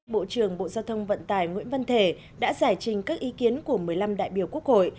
bộ trưởng bộ giao thông vận tải nguyễn văn thể đã giải trình các ý kiến của một mươi năm đại biểu quốc hội